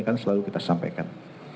akan selalu kita sampaikan